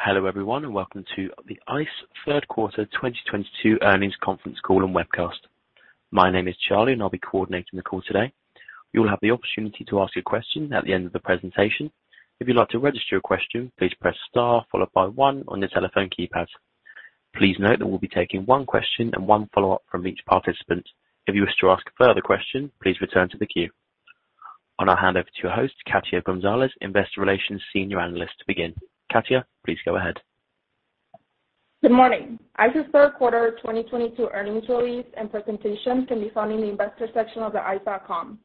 Hello, everyone, and welcome to the ICE third quarter 2022 earnings conference call and webcast. My name is Charlie, and I'll be coordinating the call today. You'll have the opportunity to ask a question at the end of the presentation. If you'd like to register your question, please press star followed by one on your telephone keypad. Please note that we'll be taking one question and one follow-up from each participant. If you wish to ask a further question, please return to the queue. I'll now hand over to your host, Katia Gonzalez, Investor Relations Senior Analyst, to begin. Katia, please go ahead. Good morning. ICE's third quarter 2022 earnings release and presentation can be found in the investor section of ice.com.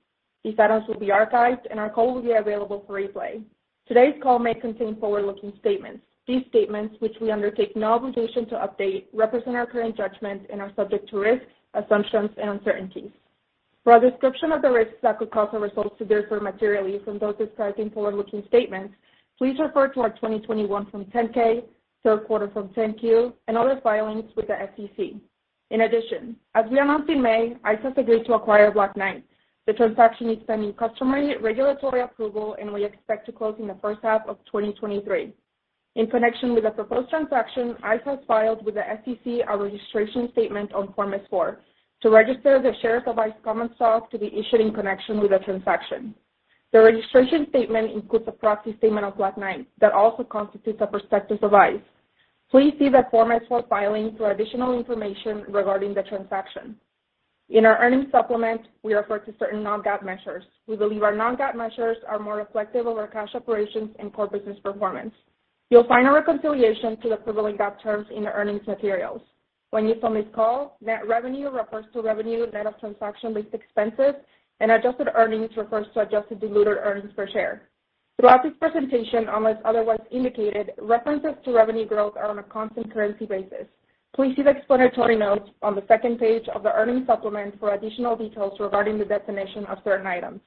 These items will be archived, and our call will be available for replay. Today's call may contain forward-looking statements. These statements, which we undertake no obligation to update, represent our current judgments and are subject to risk, assumptions, and uncertainties. For a description of the risks that could cause our results to differ materially from those described in forward-looking statements, please refer to our 2021 Form 10-K, third quarter Form 10-Q, and other filings with the SEC. In addition, as we announced in May, ICE has agreed to acquire Black Knight. The transaction is pending customary regulatory approval, and we expect to close in the first half of 2023. In connection with the proposed transaction, ICE has filed with the SEC a registration statement on Form S-4 to register the share of ICE common stock to be issued in connection with the transaction. The registration statement includes a proxy statement of Black Knight that also constitutes a prospectus of ICE. Please see the Form S-4 filing for additional information regarding the transaction. In our earnings supplement, we refer to certain Non-GAAP measures. We believe our Non-GAAP measures are more reflective of our cash operations and core business performance. You'll find our reconciliation to the equivalent GAAP terms in the earnings materials. When used on this call, net revenue refers to revenue net of transaction-based expenses, and adjusted earnings refers to adjusted diluted earnings per share. Throughout this presentation, unless otherwise indicated, references to revenue growth are on a constant currency basis. Please see the explanatory notes on the second page of the earnings supplement for additional details regarding the definition of certain items.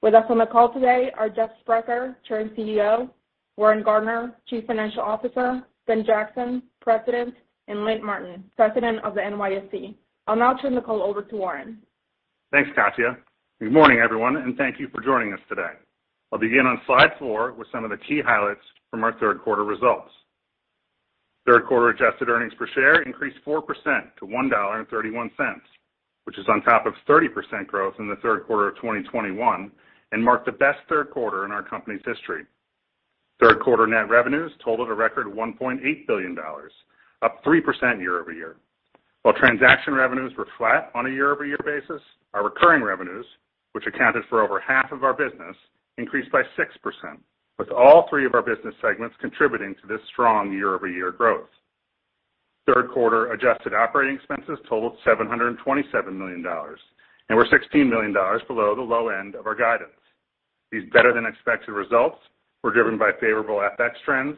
With us on the call today are Jeff Sprecher, Chairman and Chief Executive Officer, Warren Gardiner, Chief Financial Officer, Ben Jackson, President, and Lynn Martin, President of the NYSE. I'll now turn the call over to Warren. Thanks, Katia. Good morning, everyone, and thank you for joining us today. I'll begin on slide four with some of the key highlights from our third quarter results. Third quarter adjusted earnings per share increased 4% to $1.31, which is on top of 30% growth in the third quarter of 2021 and marked the best third quarter in our company's history. Third quarter net revenues totaled a record $1.8 billion, up 3% year-over-year. While transaction revenues were flat on a year-over-year basis, our recurring revenues, which accounted for over half of our business, increased by 6%, with all three of our business segments contributing to this strong year-over-year growth. Third quarter adjusted operating expenses totaled $727 million and were $16 million below the low end of our guidance. These better-than-expected results were driven by favorable FX trends,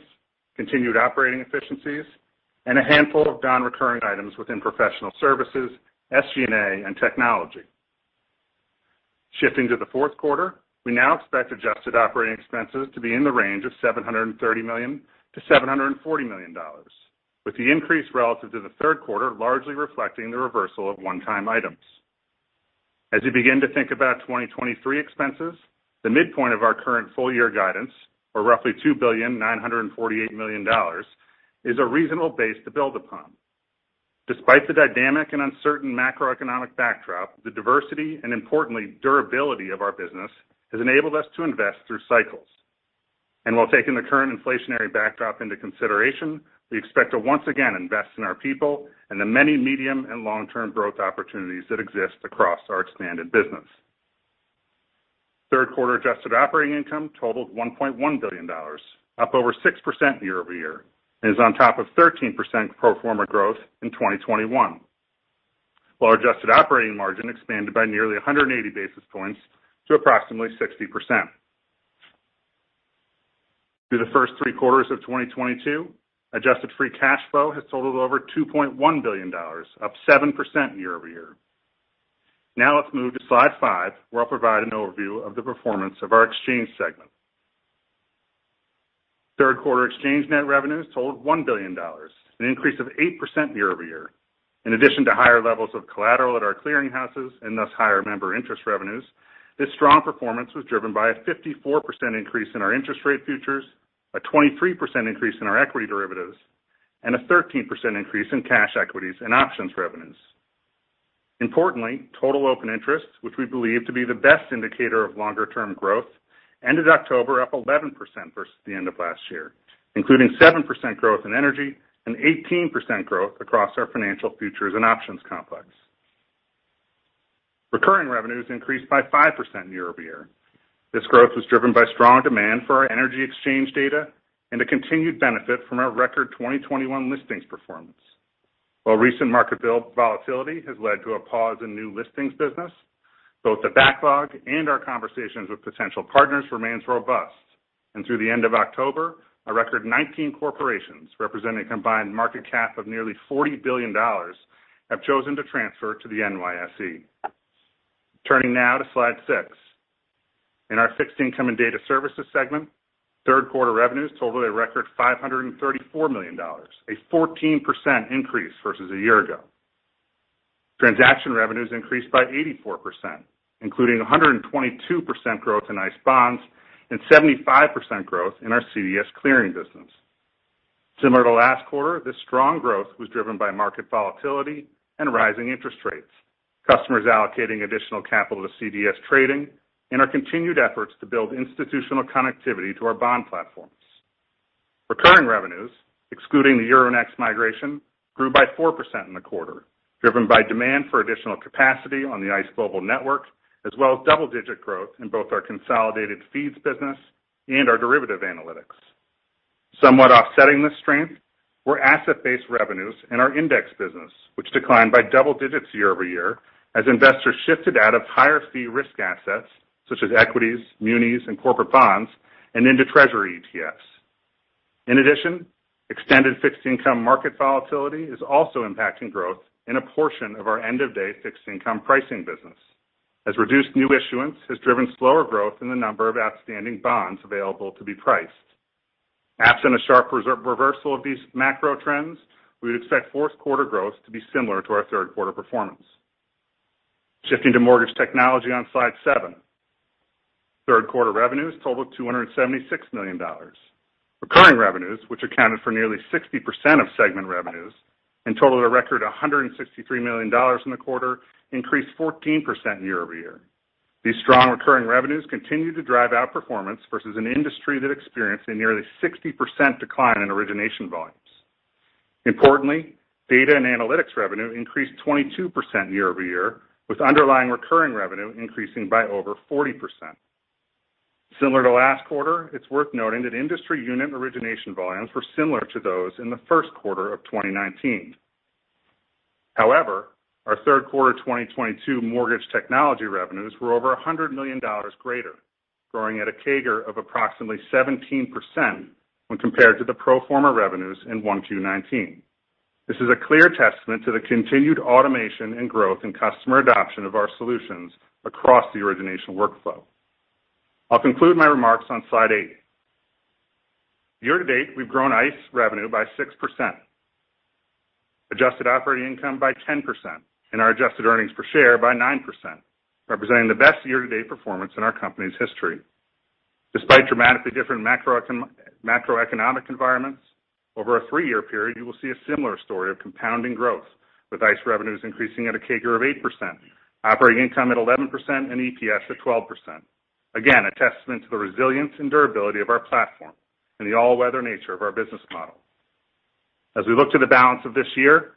continued operating efficiencies, and a handful of non-recurring items within professional services, SG&A, and technology. Shifting to the fourth quarter, we now expect adjusted operating expenses to be in the range of $730 million-$740 million, with the increase relative to the third quarter largely reflecting the reversal of one-time items. As you begin to think about 2023 expenses, the midpoint of our current full year guidance, or roughly $2.948 billion, is a reasonable base to build upon. Despite the dynamic and uncertain macroeconomic backdrop, the diversity and, importantly, durability of our business has enabled us to invest through cycles. While taking the current inflationary backdrop into consideration, we expect to once again invest in our people and the many medium and long-term growth opportunities that exist across our expanded business. Third quarter adjusted operating income totaled $1.1 billion, up over 6% year-over-year, and is on top of 13% pro forma growth in 2021, while adjusted operating margin expanded by nearly 180 basis points to approximately 60%. Through the first three quarters of 2022, adjusted free cash flow has totaled over $2.1 billion, up 7% year-over-year. Now let's move to slide five, where I'll provide an overview of the performance of our exchange segment. Third quarter exchange net revenues totaled $1 billion, an increase of 8% year-over-year. In addition to higher levels of collateral at our clearinghouses, and thus higher member interest revenues, this strong performance was driven by a 54% increase in our interest rate futures, a 23% increase in our equity derivatives, and a 13% increase in cash equities and options revenues. Importantly, total open interest, which we believe to be the best indicator of longer-term growth, ended October up 11% versus the end of last year, including 7% growth in energy and 18% growth across our financial futures and options complex. Recurring revenues increased by 5% year-over-year. This growth was driven by strong demand for our energy exchange data and a continued benefit from our record 2021 listings performance. While recent market volatility has led to a pause in new listings business, both the backlog and our conversations with potential partners remains robust. Througn the end of October, a record 19 corporations, representing a combined market cap of nearly $40 billion, have chosen to transfer to the NYSE. Turning now to slide six. In our fixed income and data services segment, third quarter revenues totaled a record $534 million, a 14% increase versus a year ago. Transaction revenues increased by 84%, including a 122% growth in ICE Bonds and 75% growth in our CDS clearing business. Similar to last quarter, this strong growth was driven by market volatility and rising interest rates, customers allocating additional capital to CDS trading, and our continued efforts to build institutional connectivity to our bond platforms. Recurring revenues, excluding the Euronext migration, grew by 4% in the quarter, driven by demand for additional capacity on the ICE Global Network, as well as double-digit growth in both our Consolidated Feeds business and our Derivatives Analytics. Somewhat offsetting this strength were asset-based revenues in our index business, which declined by double digits year-over-year as investors shifted out of higher fee risk assets such as equities, munis, and corporate bonds and into Treasury ETFs. In addition, extended fixed income market volatility is also impacting growth in a portion of our end-of-day fixed income pricing business as reduced new issuance has driven slower growth in the number of outstanding bonds available to be priced. Absent a sharp reversal of these macro trends, we would expect fourth quarter growth to be similar to our third quarter performance. Shifting to mortgage technology on slide seven. Third quarter revenues totaled $276 million. Recurring revenues, which accounted for nearly 60% of segment revenues and totaled a record $163 million in the quarter, increased 14% year-over-year. These strong recurring revenues continue to drive outperformance versus an industry that experienced a nearly 60% decline in origination volumes. Importantly, data and analytics revenue increased 22% year-over-year, with underlying recurring revenue increasing by over 40%. Similar to last quarter, it's worth noting that industry unit origination volumes were similar to those in the first quarter of 2019. However, our third-quarter 2022 mortgage technology revenues were over $100 million greater, growing at a CAGR of approximately 17% when compared to the pro forma revenues in Q1 2019. This is a clear testament to the continued automation and growth in customer adoption of our solutions across the origination workflow. I'll conclude my remarks on slide eight. Year to date, we've grown ICE revenue by 6%, adjusted operating income by 10%, and our adjusted earnings per share by 9%, representing the best year-to-date performance in our company's history. Despite dramatically different macroeconomic environments, over a three-year period, you will see a similar story of compounding growth, with ICE revenues increasing at a CAGR of 8%, operating income at 11%, and EPS at 12%. Again, a testament to the resilience and durability of our platform and the all-weather nature of our business model. As we look to the balance of the year,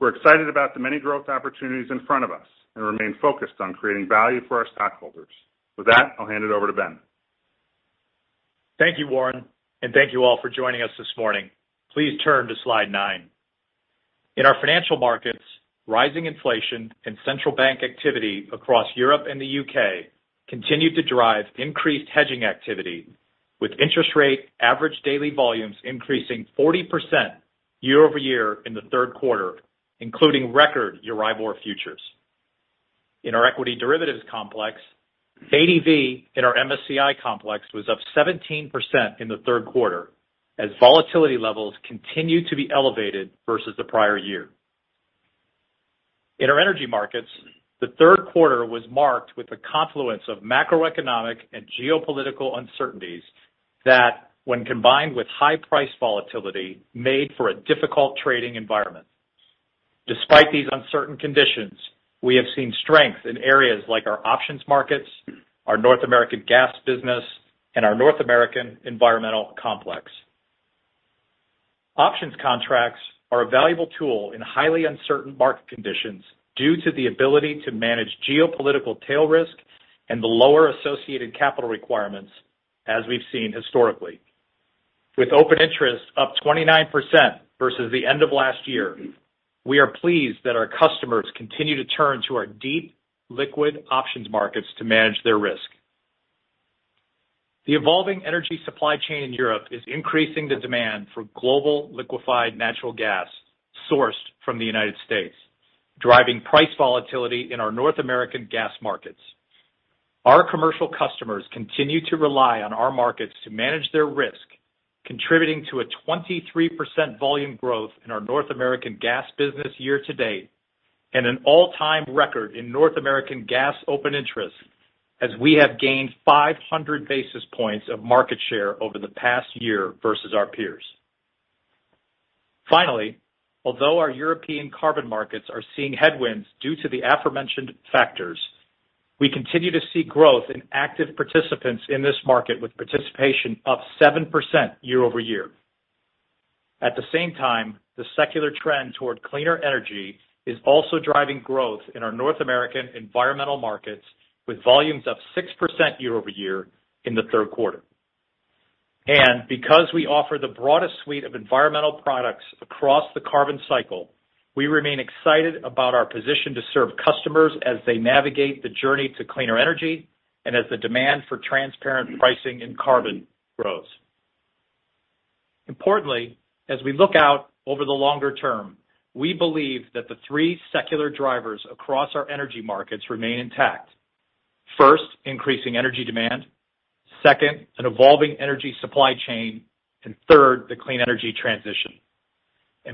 we're excited about the many growth opportunities in front of us and remain focused on creating value for our stockholders. With that, I'll hand it over to Ben. Thank you, Warren, and thank you all for joining us this morning. Please turn to slide nine. In our financial markets, rising inflation and central bank activity across Europe and the U.K. continued to drive increased hedging activity, with interest rate average daily volumes increasing 40% year-over-year in the third quarter, including record Euribor futures. In our equity derivatives complex, ADV in our MSCI complex was up 17% in the third quarter as volatility levels continued to be elevated versus the prior year. In our energy markets, the third quarter was marked with a confluence of macroeconomic and geopolitical uncertainties that, when combined with high price volatility, made for a difficult trading environment. Despite these uncertain conditions, we have seen strength in areas like our options markets, our North American gas business, and our North American environmental complex. Options contracts are a valuable tool in highly uncertain market conditions due to the ability to manage geopolitical tail risk and the lower associated capital requirements as we've seen historically. With open interest up 29% versus the end of last year, we are pleased that our customers continue to turn to our deep liquid options markets to manage their risk. The evolving energy supply chain in Europe is increasing the demand for global liquefied natural gas sourced from the United States, driving price volatility in our North American gas markets. Our commercial customers continue to rely on our markets to manage their risk, contributing to a 23% volume growth in our North American gas business year to date and an all-time record in North American gas open interest as we have gained 500 basis points of market share over the past year versus our peers. Finally, although our European carbon markets are seeing headwinds due to the aforementioned factors, we continue to see growth in active participants in this market, with participation up 7% year-over-year. At the same time, the secular trend toward cleaner energy is also driving growth in our North American environmental markets, with volumes up 6% year-over-year in the third quarter. Because we offer the broadest suite of environmental products across the carbon cycle, we remain excited about our position to serve customers as they navigate the journey to cleaner energy and as the demand for transparent pricing in carbon grows. Importantly, as we look out over the longer term, we believe that the three secular drivers across our energy markets remain intact. First, increasing energy demand. Second, an evolving energy supply chain, and third, the clean energy transition.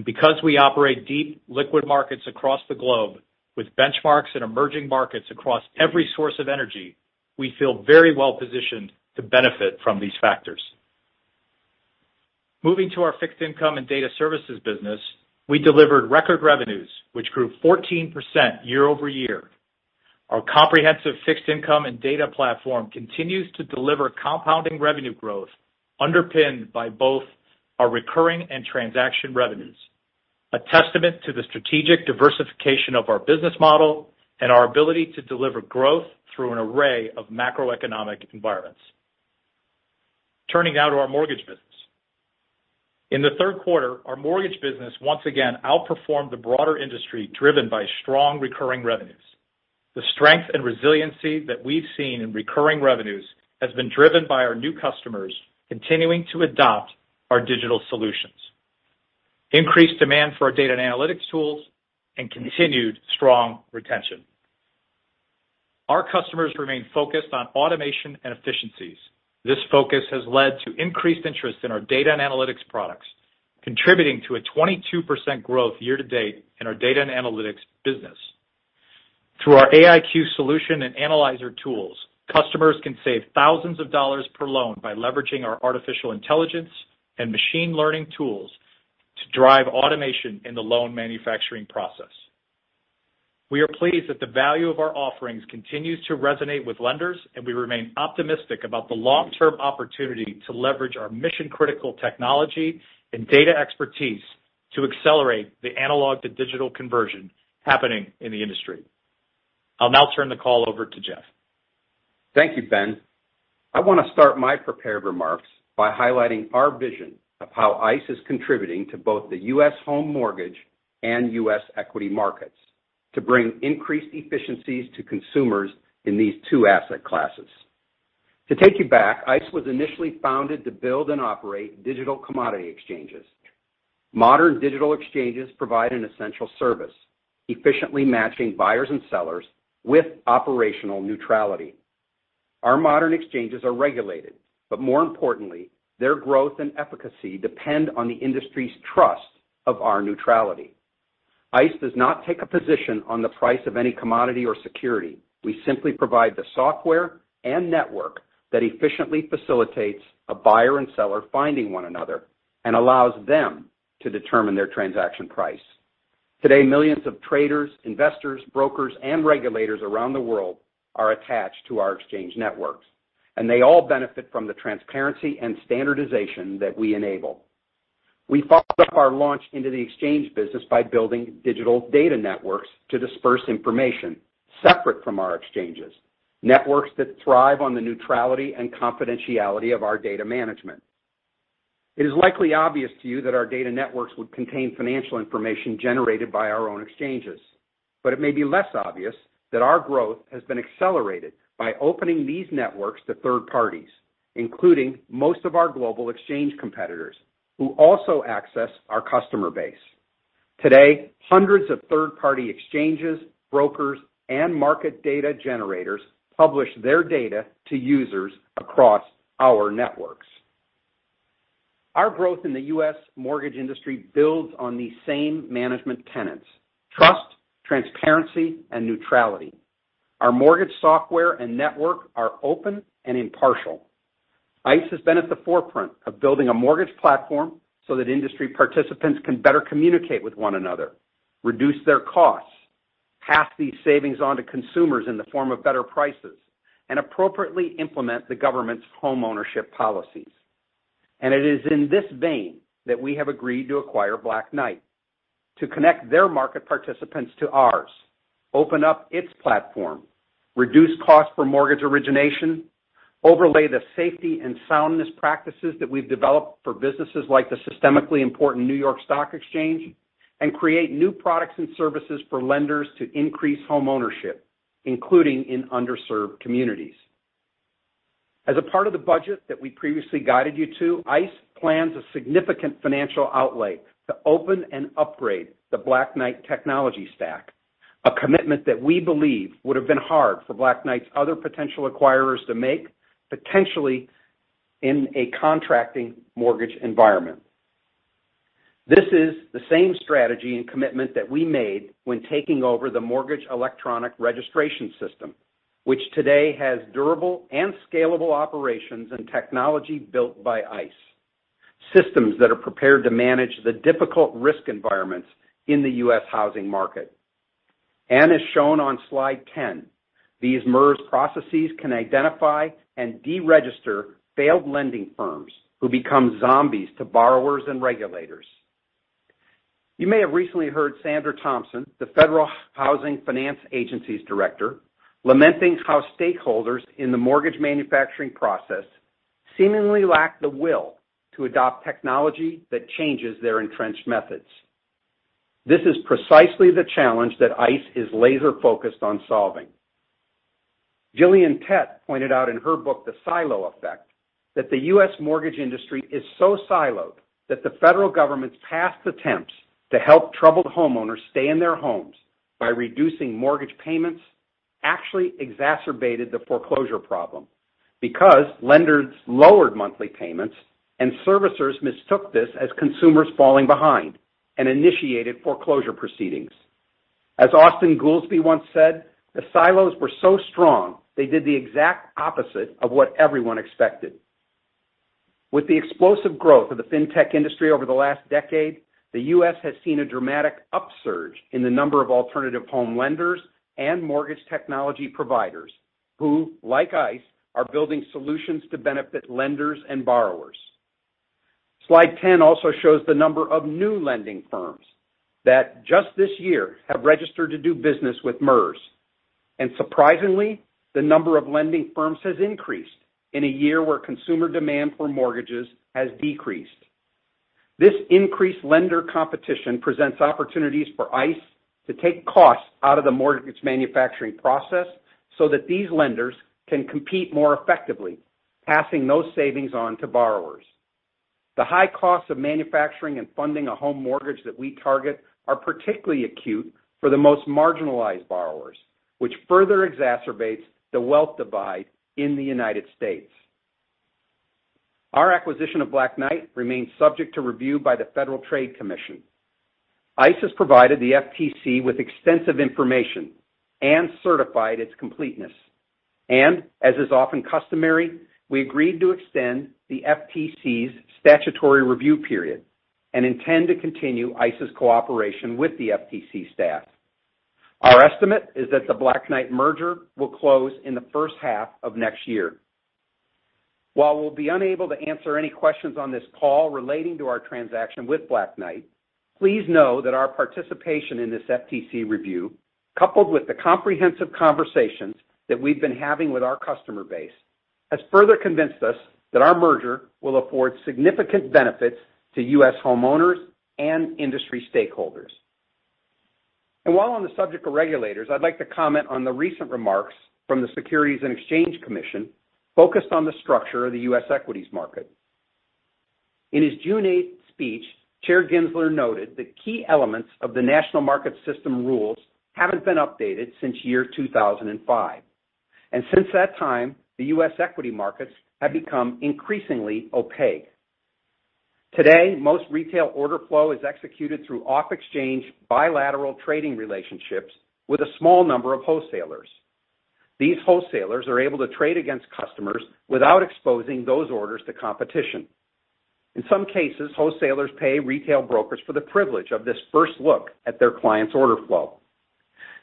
Because we operate deep liquid markets across the globe with benchmarks in emerging markets across every source of energy, we feel very well-positioned to benefit from these factors. Moving to our fixed income and data services business, we delivered record revenues, which grew 14% year-over-year. Our comprehensive fixed income and data platform continues to deliver compounding revenue growth underpinned by both our recurring and transaction revenues. A testament to the strategic diversification of our business model and our ability to deliver growth through an array of macroeconomic environments. Turning now to our mortgage business. In the third quarter, our mortgage business once again outperformed the broader industry, driven by strong recurring revenues. The strength and resiliency that we've seen in recurring revenues has been driven by our new customers continuing to adopt our digital solutions, increased demand for our data and analytics tools, and continued strong retention. Our customers remain focused on automation and efficiencies. This focus has led to increased interest in our data and analytics products, contributing to 22% growth year-to-date in our data and analytics business. Through our AIQ solution and analyzer tools, customers can save thousands of dollars per loan by leveraging our artificial intelligence and machine learning tools to drive automation in the loan manufacturing process. We are pleased that the value of our offerings continues to resonate with lenders, and we remain optimistic about the long-term opportunity to leverage our mission-critical technology and data expertise to accelerate the analog-to-digital conversion happening in the industry. I'll now turn the call over to Jeff. Thank you, Ben. I want to start my prepared remarks by highlighting our vision of how ICE is contributing to both the U.S. home mortgage and U.S. equity markets to bring increased efficiencies to consumers in these two asset classes. To take you back, ICE was initially founded to build and operate digital commodity exchanges. Modern digital exchanges provide an essential service, efficiently matching buyers and sellers with operational neutrality. Our modern exchanges are regulated, but more importantly, their growth and efficacy depend on the industry's trust of our neutrality. ICE does not take a position on the price of any commodity or security. We simply provide the software and network that efficiently facilitates a buyer and seller finding one another and allows them to determine their transaction price. Today, millions of traders, investors, brokers, and regulators around the world are attached to our exchange networks, and they all benefit from the transparency and standardization that we enable. We followed up our launch into the exchange business by building digital data networks to disperse information separate from our exchanges, networks that thrive on the neutrality and confidentiality of our data management. It is likely obvious to you that our data networks would contain financial information generated by our own exchanges, but it may be less obvious that our growth has been accelerated by opening these networks to third parties, including most of our global exchange competitors, who also access our customer base. Today, hundreds of third-party exchanges, brokers, and market data generators publish their data to users across our networks. Our growth in the U.S. mortgage industry builds on these same management tenets, trust, transparency, and neutrality. Our mortgage software and network are open and impartial. ICE has been at the forefront of building a mortgage platform so that industry participants can better communicate with one another, reduce their costs, pass these savings on to consumers in the form of better prices, and appropriately implement the government's homeownership policies. It is in this vein that we have agreed to acquire Black Knight to connect their market participants to ours, open up its platform, reduce costs for mortgage origination, overlay the safety and soundness practices that we've developed for businesses like the systemically important New York Stock Exchange, and create new products and services for lenders to increase homeownership, including in underserved communities. As a part of the budget that we previously guided you to, ICE plans a significant financial outlay to open and upgrade the Black Knight technology stack, a commitment that we believe would have been hard for Black Knight's other potential acquirers to make, potentially in a contracting mortgage environment. This is the same strategy and commitment that we made when taking over the Mortgage Electronic Registration Systems, which today has durable and scalable operations and technology built by ICE. Systems that are prepared to manage the difficult risk environments in the U.S. housing market. As shown on slide 10, these MERS processes can identify and deregister failed lending firms who become zombies to borrowers and regulators. You may have recently heard Sandra Thompson, the Federal Housing Finance Agency's Director, lamenting how stakeholders in the mortgage manufacturing process seemingly lack the will to adopt technology that changes their entrenched methods. This is precisely the challenge that ICE is laser-focused on solving. Gillian Tett pointed out in her book, The Silo Effect, that the U.S. mortgage industry is so siloed that the federal government's past attempts to help troubled homeowners stay in their homes by reducing mortgage payments actually exacerbated the foreclosure problem because lenders lowered monthly payments and servicers mistook this as consumers falling behind and initiated foreclosure proceedings. As Austan Goolsbee once said, "The silos were so strong they did the exact opposite of what everyone expected." With the explosive growth of the fintech industry over the last decade, the U.S. has seen a dramatic upsurge in the number of alternative home lenders and mortgage technology providers who, like ICE, are building solutions to benefit lenders and borrowers. Slide 10 also shows the number of new lending firms that just this year have registered to do business with MERS. Surprisingly, the number of lending firms has increased in a year where consumer demand for mortgages has decreased. This increased lender competition presents opportunities for ICE to take costs out of the mortgage manufacturing process so that these lenders can compete more effectively, passing those savings on to borrowers. The high cost of manufacturing and funding a home mortgage that we target are particularly acute for the most marginalized borrowers, which further exacerbates the wealth divide in the United States. Our acquisition of Black Knight remains subject to review by the Federal Trade Commission. ICE has provided the FTC with extensive information and certified its completeness. As is often customary, we agreed to extend the FTC's statutory review period and intend to continue ICE's cooperation with the FTC staff. Our estimate is that the Black Knight merger will close in the first half of next year. While we'll be unable to answer any questions on this call relating to our transaction with Black Knight, please know that our participation in this FTC review, coupled with the comprehensive conversations that we've been having with our customer base, has further convinced us that our merger will afford significant benefits to U.S. homeowners and industry stakeholders. While on the subject of regulators, I'd like to comment on the recent remarks from the Securities and Exchange Commission focused on the structure of the U.S. equities market. In his June 8th speech, Chair Gensler noted that key elements of the national market system rules haven't been updated since 2005. Since that time, the U.S. equity markets have become increasingly opaque. Today, most retail order flow is executed through off-exchange bilateral trading relationships with a small number of wholesalers. These wholesalers are able to trade against customers without exposing those orders to competition. In some cases, wholesalers pay retail brokers for the privilege of this first look at their clients' order flow.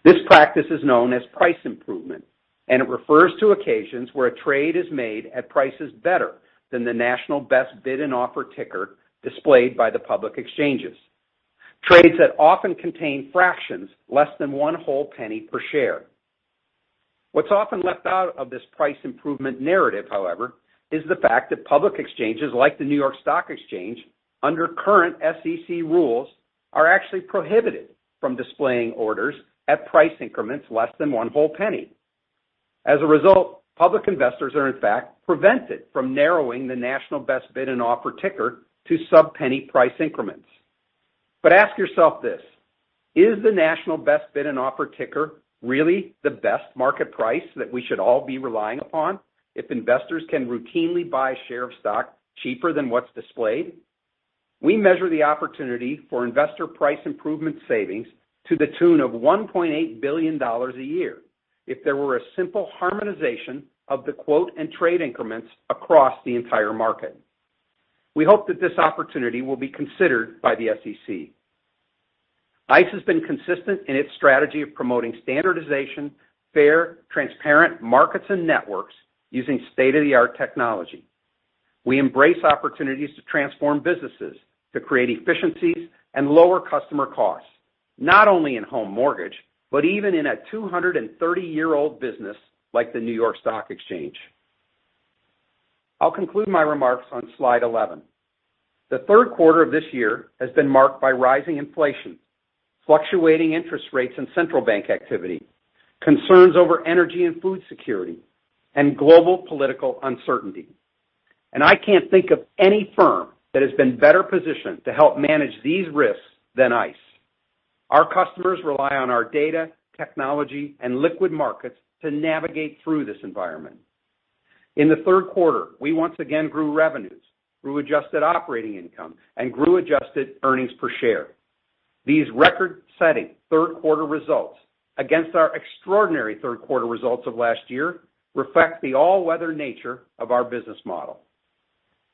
This practice is known as price improvement, and it refers to occasions where a trade is made at prices better than the national best bid and offer ticker displayed by the public exchanges. Trades that often contain fractions less than one whole penny per share. What's often left out of this price improvement narrative, however, is the fact that public exchanges like the New York Stock Exchange, under current SEC rules, are actually prohibited from displaying orders at price increments less than one whole penny. As a result, public investors are in fact prevented from narrowing the national best bid and offer ticker to sub-penny price increments. Ask yourself this: Is the national best bid and offer ticker really the best market price that we should all be relying upon if investors can routinely buy a share of stock cheaper than what's displayed? We measure the opportunity for investor price improvement savings to the tune of $1.8 billion a year if there were a simple harmonization of the quote and trade increments across the entire market. We hope that this opportunity will be considered by the SEC. ICE has been consistent in its strategy of promoting standardization, fair, transparent markets and networks using state-of-the-art technology. We embrace opportunities to transform businesses, to create efficiencies and lower customer costs, not only in home mortgage, but even in a 230-year-old business like the New York Stock Exchange. I'll conclude my remarks on slide 11. The third quarter of this year has been marked by rising inflation, fluctuating interest rates and central bank activity, concerns over energy and food security, and global political uncertainty. I can't think of any firm that has been better positioned to help manage these risks than ICE. Our customers rely on our data, technology, and liquid markets to navigate through this environment. In the third quarter, we once again grew revenues, grew adjusted operating income, and grew adjusted earnings per share. These record-setting third quarter results against our extraordinary third quarter results of last year reflect the all-weather nature of our business model.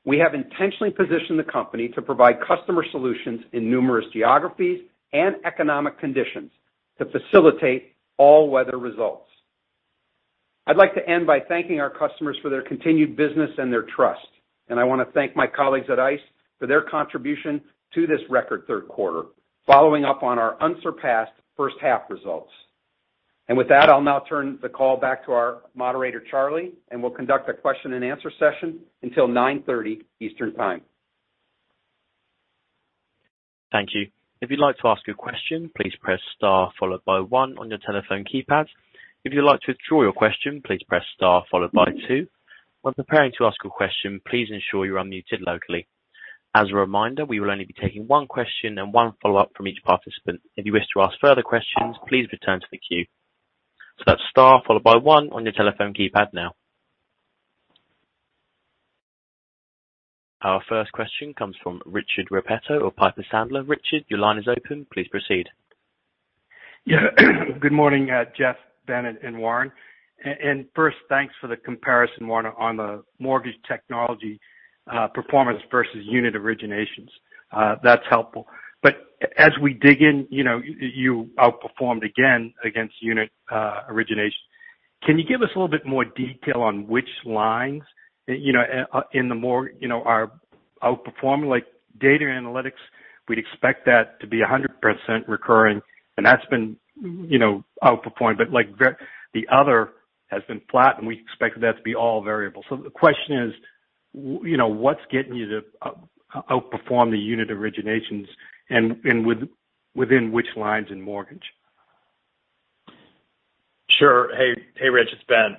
We have intentionally positioned the company to provide customer solutions in numerous geographies and economic conditions to facilitate all-weather results. I'd like to end by thanking our customers for their continued business and their trust. I wanna thank my colleagues at ICE for their contribution to this record third quarter, following up on our unsurpassed first half results. With that, I'll now turn the call back to our moderator, Charlie, and we'll conduct a question and answer session until 9:30 Eastern Time. Thank you. If you'd like to ask a question, please press star followed by one on your telephone keypad. If you'd like to withdraw your question, please press star followed by two. When preparing to ask a question, please ensure you're unmuted locally. As a reminder, we will only be taking one question and one follow-up from each participant. If you wish to ask further questions, please return to the queue. That's star followed by one on your telephone keypad now. Our first question comes from Richard Repetto of Piper Sandler. Richard, your line is open. Please proceed. Yeah. Good morning, Jeff, Ben, and Warren. And first, thanks for the comparison, Warren, on the mortgage technology performance versus unit originations. That's helpful. As we dig in, you know, you outperformed again against unit originations. Can you give us a little bit more detail on which lines, you know, in the mortgage, you know, are outperforming? Like data analytics, we'd expect that to be 100% recurring, and that's been, you know, outperforming. But like, the other has been flat, and we expected that to be all variable. The question is, you know, what's getting you to outperform the unit originations and within which lines in mortgage? Sure. Hey. Hey, Rich, it's Ben.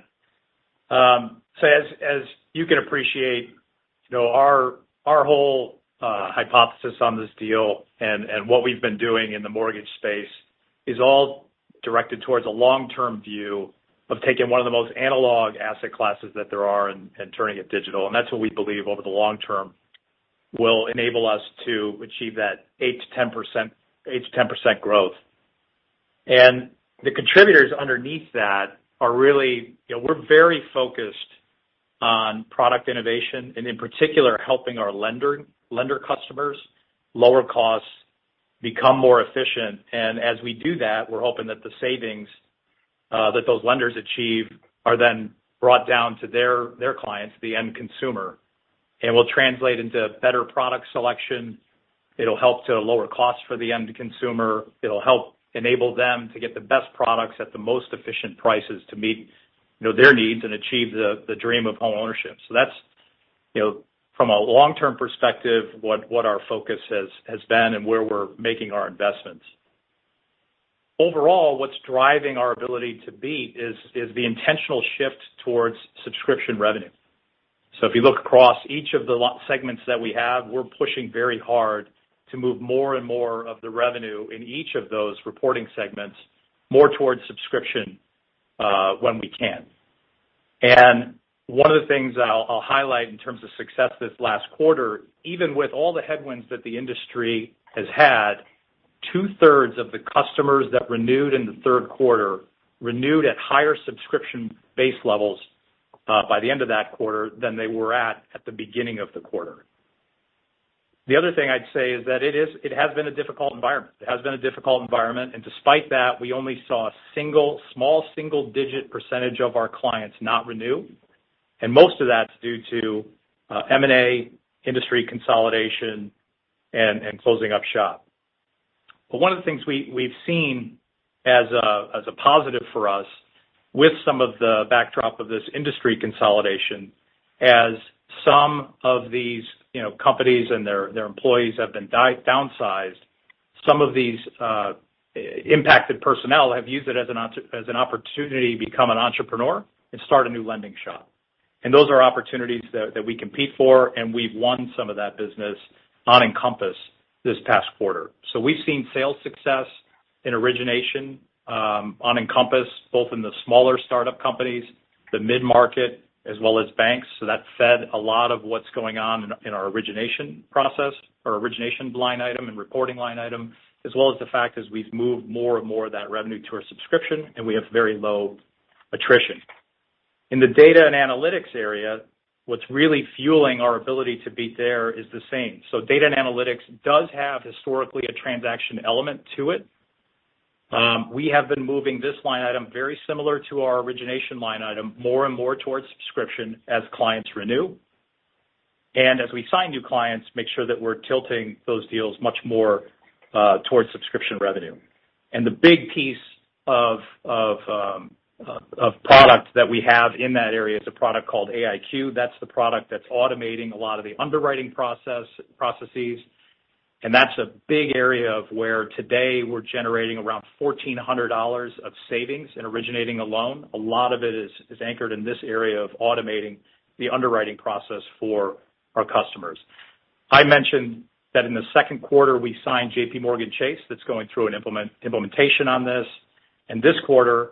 As you can appreciate, you know, our whole hypothesis on this deal and what we've been doing in the mortgage space is all directed towards a long-term view of taking one of the most analog asset classes that there are and turning it digital. That's what we believe over the long term will enable us to achieve that 8%-10% growth. The contributors underneath that are really, you know, we're very focused on product innovation and, in particular, helping our lender customers lower costs become more efficient. As we do that, we're hoping that the savings that those lenders achieve are then brought down to their clients, the end consumer, and will translate into better product selection. It'll help to lower costs for the end consumer. It'll help enable them to get the best products at the most efficient prices to meet, you know, their needs and achieve the dream of homeownership. That's, you know, from a long-term perspective, what our focus has been and where we're making our investments. Overall, what's driving our ability to beat is the intentional shift towards subscription revenue. If you look across each of those segments that we have, we're pushing very hard to move more and more of the revenue in each of those reporting segments more towards subscription, when we can. One of the things I'll highlight in terms of success this last quarter, even with all the headwinds that the industry has had, two-thirds of the customers that renewed in the third quarter renewed at higher subscription base levels by the end of that quarter than they were at the beginning of the quarter. The other thing I'd say is that it has been a difficult environment. Despite that, we only saw a small single-digit percentage of our clients not renew. Most of that's due to M&A, industry consolidation, and closing up shop. One of the things we've seen as a positive for us with some of the backdrop of this industry consolidation, as some of these, you know, companies and their employees have been downsized, some of these impacted personnel have used it as an opportunity to become an entrepreneur and start a new lending shop. Those are opportunities that we compete for, and we've won some of that business on Encompass this past quarter. We've seen sales success in origination on Encompass, both in the smaller startup companies, the mid-market, as well as banks. That fed a lot of what's going on in our origination process or origination line item and reporting line item, as well as the fact that we've moved more and more of that revenue to our subscription, and we have very low attrition. In the data and analytics area, what's really fueling our ability to beat there is the same. Data and analytics does have historically a transaction element to it. We have been moving this line item very similar to our origination line item, more and more towards subscription as clients renew. As we sign new clients, make sure that we're tilting those deals much more towards subscription revenue. The big piece of product that we have in that area is a product called AIQ. That's the product that's automating a lot of the underwriting processes. That's a big area of where today we're generating around $1,400 of savings in originating a loan. A lot of it is anchored in this area of automating the underwriting process for our customers. I mentioned that in the second quarter, we signed JPMorgan Chase. That's going through an implementation on this. This quarter,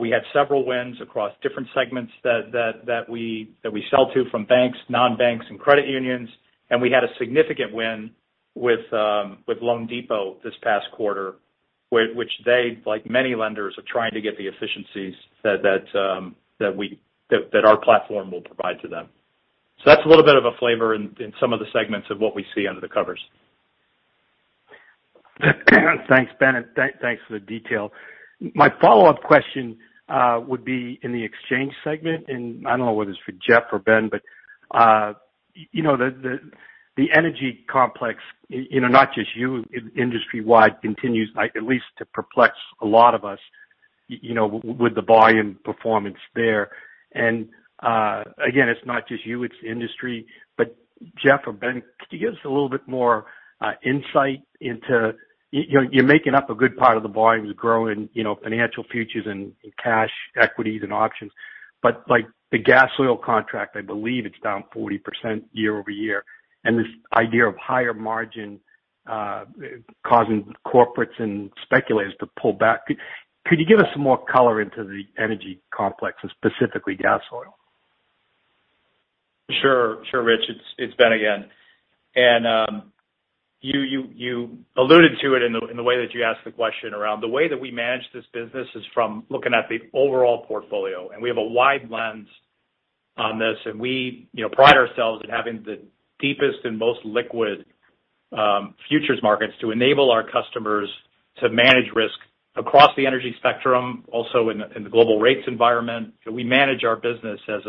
we had several wins across different segments that we sell to from banks, non-banks, and credit unions. We had a significant win with loanDepot this past quarter, which they, like many lenders, are trying to get the efficiencies that our platform will provide to them. That's a little bit of a flavor in some of the segments of what we see under the covers. Thanks, Ben, and thanks for the detail. My follow-up question would be in the exchange segment, and I don't know whether it's for Jeff or Ben. You know, the energy complex, you know, not just you, industry-wide, continues, like, at least to perplex a lot of us. You know, with the volume performance there. Again, it's not just you, it's the industry. Jeff or Ben, could you give us a little bit more insight into. You're making up a good part of the volumes growing, you know, financial futures and cash equities and options. But like the gas oil contract, I believe it's down 40% year-over-year, and this idea of higher margin causing corporates and speculators to pull back. Could you give us some more color into the energy complex and specifically gas oil? Sure, Rich. It's Ben again. You alluded to it in the way that you asked the question. Around the way that we manage this business is from looking at the overall portfolio, and we have a wide lens on this, and we, you know, pride ourselves in having the deepest and most liquid futures markets to enable our customers to manage risk across the energy spectrum, also in the global rates environment. We manage our business as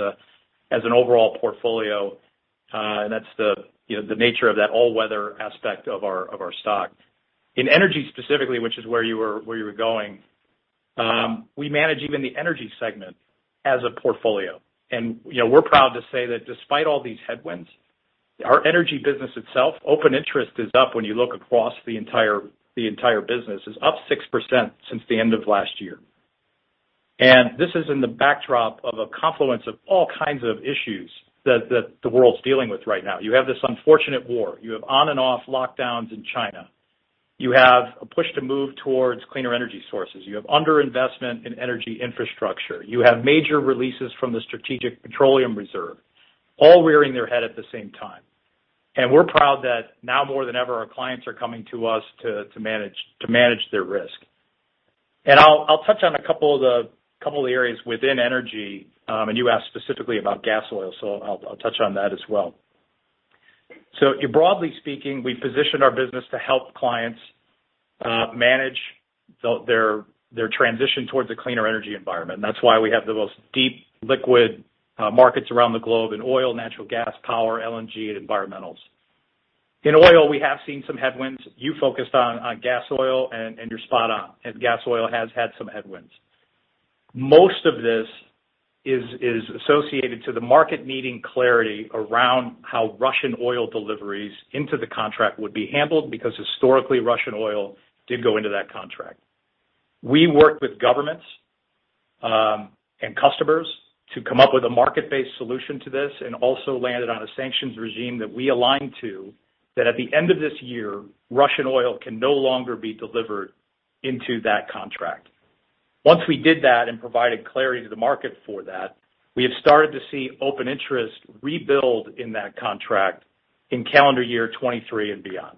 an overall portfolio, and that's the, you know, the nature of that all-weather aspect of our stock. In energy specifically, which is where you were going, we manage even the energy segment as a portfolio. You know, we're proud to say that despite all these headwinds, our energy business itself, open interest is up when you look across the entire business. It's up 6% since the end of last year. This is in the backdrop of a confluence of all kinds of issues that the world's dealing with right now. You have this unfortunate war. You have on-and-off lockdowns in China. You have a push to move towards cleaner energy sources. You have under-investment in energy infrastructure. You have major releases from the Strategic Petroleum Reserve, all rearing their head at the same time. We're proud that now more than ever, our clients are coming to us to manage their risk. I'll touch on a couple of the areas within energy, and you asked specifically about gas oil, so I'll touch on that as well. Broadly speaking, we position our business to help clients manage their transition towards a cleaner energy environment. That's why we have the most deep liquid markets around the globe in oil, natural gas, power, LNG, and environmentals. In oil, we have seen some headwinds. You focused on gas oil and you're spot on as gas oil has had some headwinds. Most of this is associated to the market needing clarity around how Russian oil deliveries into the contract would be handled because historically, Russian oil did go into that contract. We worked with governments and customers to come up with a market-based solution to this, and also landed on a sanctions regime that we align to, that at the end of this year, Russian oil can no longer be delivered into that contract. Once we did that and provided clarity to the market for that, we have started to see open interest rebuild in that contract in calendar year 2023 and beyond.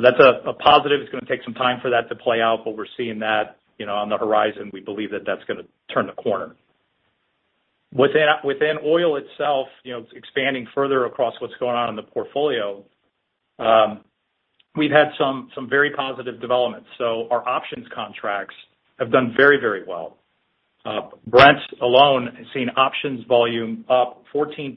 That's a positive. It's gonna take some time for that to play out, but we're seeing that, you know, on the horizon. We believe that that's gonna turn the corner. Within oil itself, you know, expanding further across what's going on in the portfolio, we've had some very positive developments. Our options contracts have done very, very well. Brent alone has seen options volume up 14%,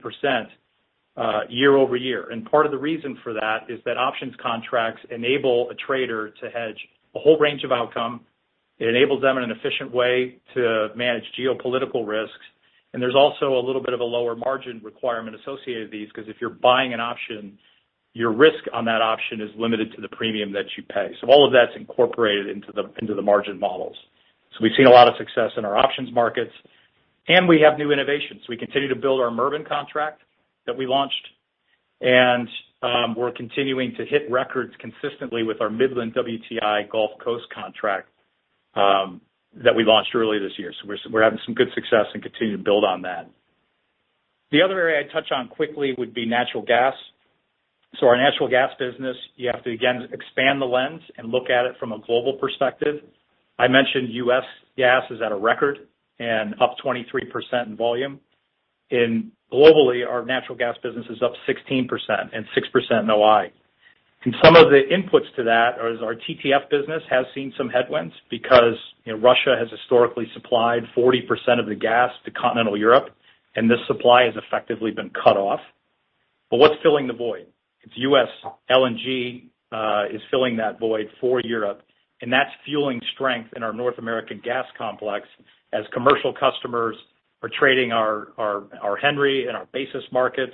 year-over-year. Part of the reason for that is that options contracts enable a trader to hedge a whole range of outcome. It enables them in an efficient way to manage geopolitical risks. There's also a little bit of a lower margin requirement associated with these 'cause if you're buying an option, your risk on that option is limited to the premium that you pay. All of that's incorporated into the margin models. We've seen a lot of success in our options markets, and we have new innovations. We continue to build our Murban contract that we launched, and we're continuing to hit records consistently with our Midland WTI American Gulf Coast contract that we launched earlier this year. We're having some good success and continue to build on that. The other area I'd touch on quickly would be natural gas. Our natural gas business, you have to again expand the lens and look at it from a global perspective. I mentioned U.S. gas is at a record and up 23% in volume. Globally, our natural gas business is up 16% and 6% NOI. Some of the inputs to that is our TTF business has seen some headwinds because, you know, Russia has historically supplied 40% of the gas to continental Europe, and this supply has effectively been cut off. What's filling the void? It's U.S. LNG is filling that void for Europe, and that's fueling strength in our North American gas complex as commercial customers are trading our Henry and our basis markets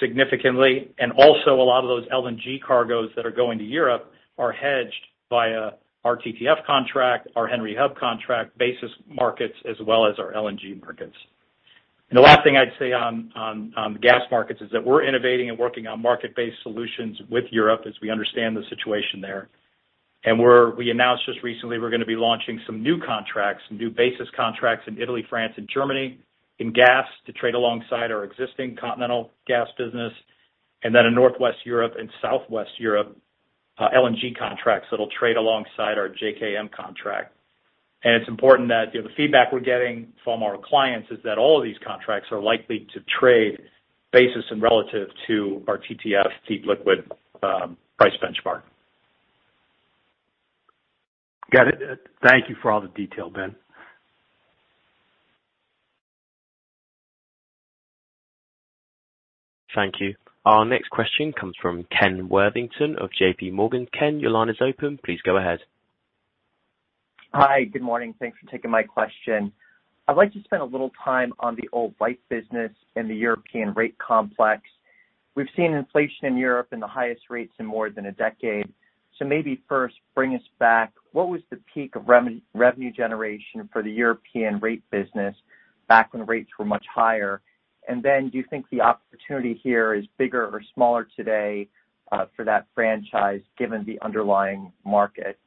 significantly. Also a lot of those LNG cargoes that are going to Europe are hedged via our TTF contract, our Henry Hub contract, basis markets, as well as our LNG markets. The last thing I'd say on gas markets is that we're innovating and working on market-based solutions with Europe as we understand the situation there. We announced just recently we're gonna be launching some new contracts, some new basis contracts in Italy, France, and Germany in gas to trade alongside our existing continental gas business. Then in Northwest Europe and Southwest Europe, LNG contracts that'll trade alongside our JKM contract. It's important that, you know, the feedback we're getting from our clients is that all of these contracts are likely to trade basis and relative to our TTF deeply liquid price benchmark. Got it. Thank you for all the detail, Ben. Thank you. Our next question comes from Ken Worthington of JPMorgan. Ken, your line is open. Please go ahead. Hi, good morning. Thanks for taking my question. I'd like to spend a little time on the LIFFE business and the European rate complex. We've seen inflation in Europe and the highest rates in more than a decade. Maybe first bring us back, what was the peak of revenue generation for the European rate business back when rates were much higher? Then do you think the opportunity here is bigger or smaller today for that franchise given the underlying market?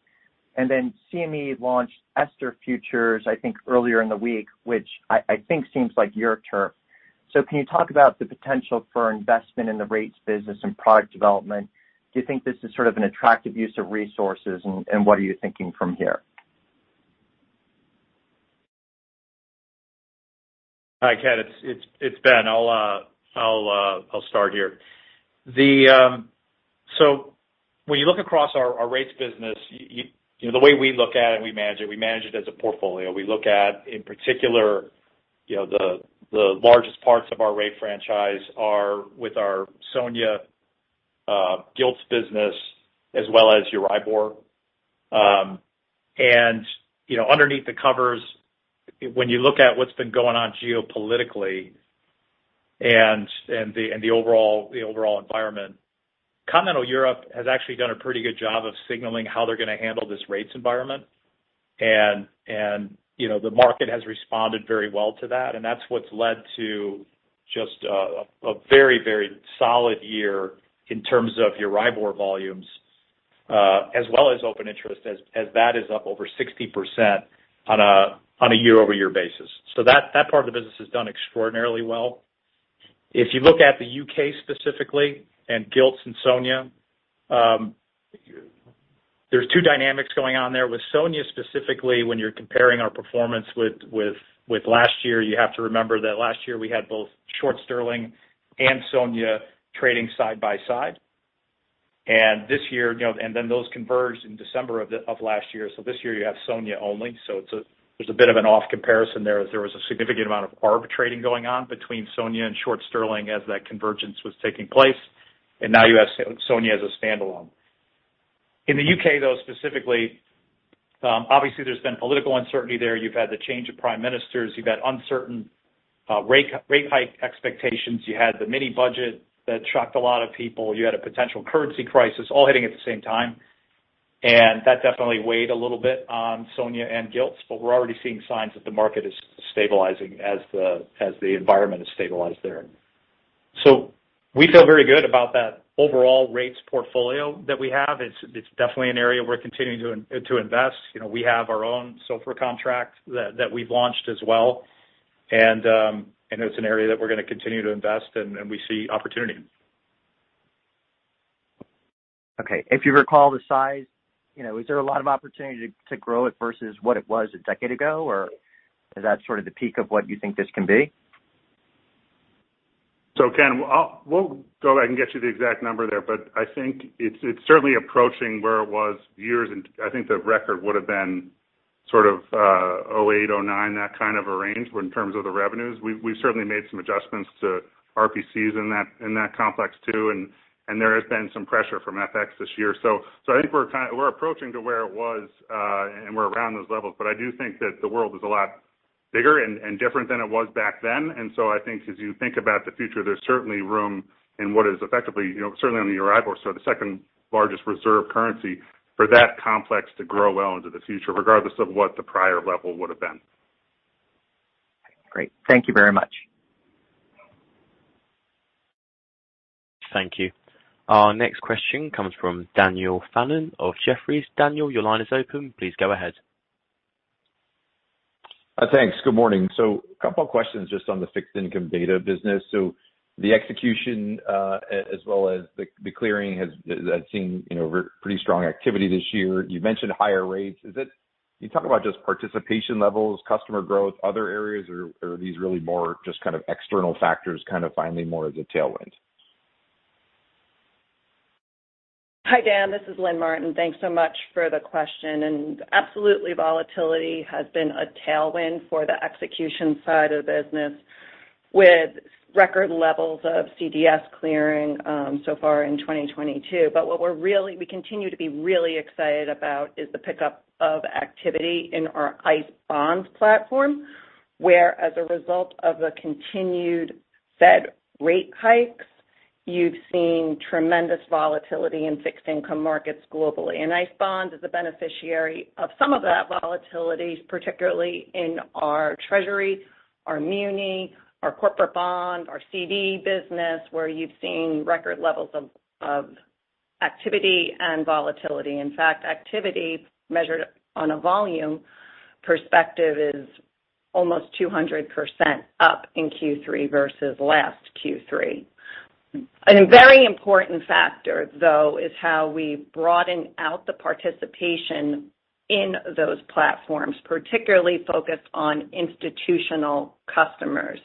Then CME launched €STR Futures, I think earlier in the week, which I think seems like your turf. Can you talk about the potential for investment in the rates business and product development? Do you think this is sort of an attractive use of resources, and what are you thinking from here? Hi, Ken. It's Ben. I'll start here. When you look across our rates business, you know, the way we look at it, we manage it as a portfolio. We look at, in particular, you know, the largest parts of our rate franchise are with our SONIA, gilts business as well as Euribor. And, you know, underneath the covers, when you look at what's been going on geopolitically and the overall environment, continental Europe has actually done a pretty good job of signaling how they're gonna handle this rates environment. You know, the market has responded very well to that, and that's what's led to just a very solid year in terms of Euribor volumes, as well as open interest as that is up over 60% on a year-over-year basis. That part of the business has done extraordinarily well. If you look at the U.K. specifically and Gilts and SONIA, there's two dynamics going on there. With SONIA specifically, when you're comparing our performance with last year, you have to remember that last year we had both Short Sterling and SONIA trading side by side. This year, you know, and then those converged in December of last year. This year you have SONIA only, there's a bit of an off comparison there as there was a significant amount of arb trading going on between SONIA and Short Sterling as that convergence was taking place, and now you have SONIA as a standalone. In The U.K., though, specifically, obviously there's been political uncertainty there. You've had the change of prime ministers, you've had uncertain rate hike expectations. You had the mini budget that shocked a lot of people. You had a potential currency crisis all hitting at the same time, and that definitely weighed a little bit on SONIA and Gilts, but we're already seeing signs that the market is stabilizing as the environment has stabilized there. We feel very good about that overall rates portfolio that we have. It's definitely an area we're continuing to invest. You know, we have our own SOFR contract that we've launched as well. It's an area that we're gonna continue to invest and we see opportunity. Okay. If you recall the size, you know, is there a lot of opportunity to grow it versus what it was a decade ago, or is that sort of the peak of what you think this can be? Ken, we'll go back and get you the exact number there, but I think it's certainly approaching where it was years into. I think the record would've been sort of 2008, 2009, that kind of a range in terms of the revenues. We've certainly made some adjustments to RPCs in that complex too, and there has been some pressure from FX this year. I think we're approaching to where it was, and we're around those levels. But I do think that the world is a lot bigger and different than it was back then. I think as you think about the future, there's certainly room in what is effectively, you know, certainly on the Euribor, so the second-largest reserve currency for that complex to grow well into the future regardless of what the prior level would've been. Great. Thank you very much. Thank you. Our next question comes from Daniel Fannon of Jefferies. Daniel, your line is open. Please go ahead. Thanks. Good morning. A couple questions just on the fixed income data business. The execution, as well as the clearing has seen, you know, really pretty strong activity this year. You mentioned higher rates. Is it? Can you talk about just participation levels, customer growth, other areas, or are these really more just kind of external factors kind of finally more as a tailwind? Hi, Dan. This is Lynn Martin. Thanks so much for the question. Absolutely volatility has been a tailwind for the execution side of the business with record levels of CDS clearing so far in 2022. We continue to be really excited about the pickup of activity in our ICE Bonds platform, where, as a result of the continued Fed rate hikes, you've seen tremendous volatility in fixed income markets globally. ICE Bonds is a beneficiary of some of that volatility, particularly in our treasury, our muni, our corporate bond, our CD business, where you've seen record levels of activity and volatility. In fact, activity measured on a volume perspective is almost 200% up in Q3 versus last Q3. A very important factor, though, is how we broaden out the participation in those platforms, particularly focused on institutional customers.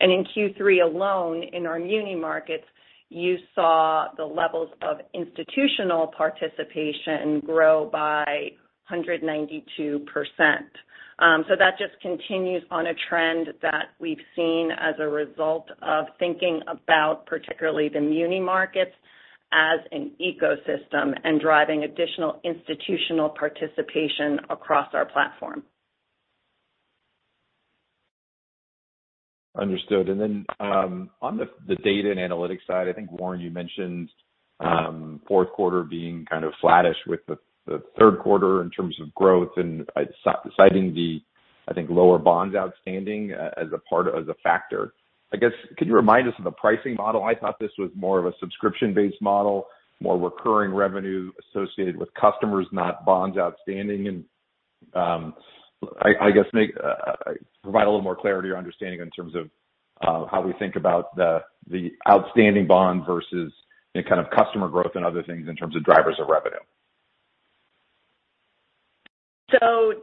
In Q3 alone, in our muni markets, you saw the levels of institutional participation grow by 192%. That just continues on a trend that we've seen as a result of thinking about particularly the muni markets as an ecosystem and driving additional institutional participation across our platform. Understood. On the data and analytics side, I think, Warren, you mentioned fourth quarter being kind of flattish with the third quarter in terms of growth and citing the, I think, lower bonds outstanding as a factor. I guess could you remind us of the pricing model? I thought this was more of a subscription-based model, more recurring revenue associated with customers, not bonds outstanding. I guess provide a little more clarity or understanding in terms of how we think about the outstanding bond versus the kind of customer growth and other things in terms of drivers of revenue.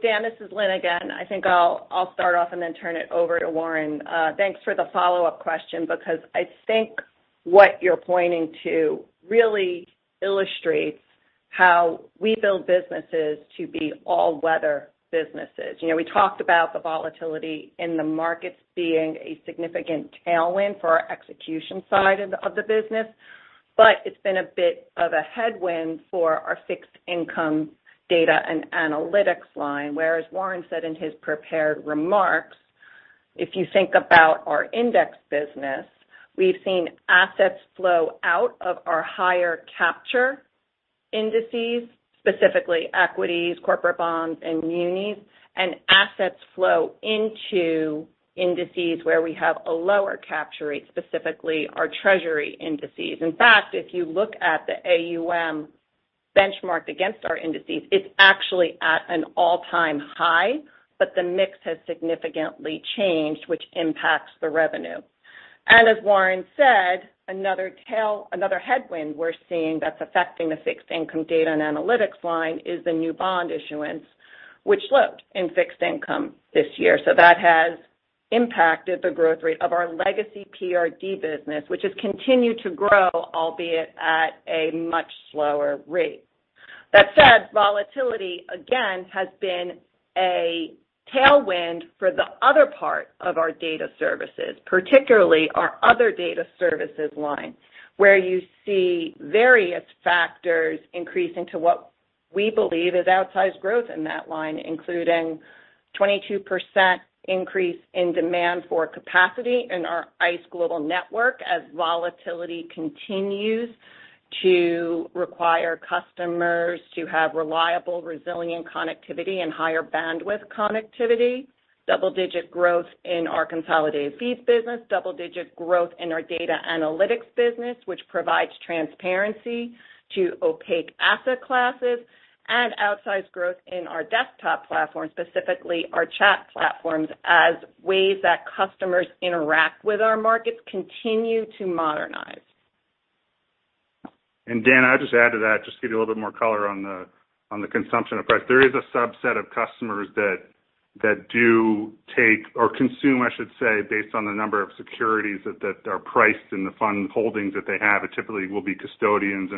Dan, this is Lynn again. I think I'll start off and then turn it over to Warren. Thanks for the follow-up question because I think what you're pointing to really illustrates how we build businesses to be all-weather businesses. You know, we talked about the volatility in the markets being a significant tailwind for our execution side of the business. But it's been a bit of a headwind for our fixed income data and analytics line, whereas Warren said in his prepared remarks, if you think about our index business, we've seen assets flow out of our higher capture indices, specifically equities, corporate bonds, and munis, and assets flow into indices where we have a lower capture rate, specifically our treasury indices. In fact, if you look at the AUM benchmarked against our indices, it's actually at an all-time high, but the mix has significantly changed, which impacts the revenue. As Warren said, another headwind we're seeing that's affecting the fixed income data and analytics line is the new bond issuance, which slowed in fixed income this year. That has impacted the growth rate of our legacy PRD business, which has continued to grow, albeit at a much slower rate. That said, volatility, again, has been a tailwind for the other part of our data services, particularly our other data services line, where you see various factors increasing to what we believe is outsized growth in that line, including 22% increase in demand for capacity in our ICE Global Network as volatility continues to require customers to have reliable, resilient connectivity and higher bandwidth connectivity, double-digit growth in our Consolidated Feeds business, double-digit growth in our data analytics business, which provides transparency to opaque asset classes, and outsized growth in our desktop platform, specifically our chat platforms, as ways that customers interact with our markets continue to modernize. Daniel, I'll just add to that just to give you a little bit more color on the consumption of price. There is a subset of customers that do take or consume, I should say, based on the number of securities that are priced in the fund holdings that they have. It typically will be custodians